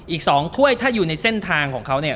อีก๒ถ้วยถ้าอยู่ในเส้นทางของเขาเนี่ย